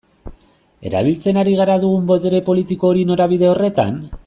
Erabiltzen ari gara dugun botere politiko hori norabide horretan?